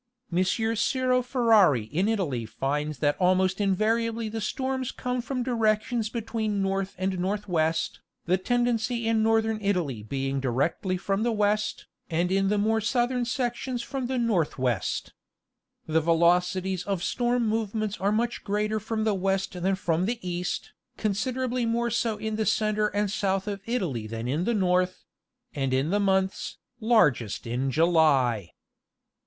M. Ciro Ferari in Italy finds that almost invariably the storms come from directions between north and northwest, the tendency in northern Italy being directly from the west, and in the more southern sections from the north west. The velocities of storm movements are much greater from the west than from the east, considerably more so in the centre and south of Italy than in the north; and in the months, largest in July.